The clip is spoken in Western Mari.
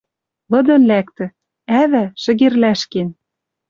Лыдын лӓктӹ: ӓвӓ — шӹгерлӓш кен...